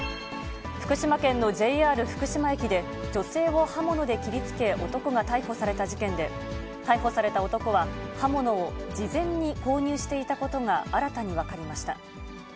福島県のＪＲ福島駅で、女性を刃物で切りつけ、男が逮捕された事件で、逮捕された男は、刃物を事前に購入していたことが新たに分かりました。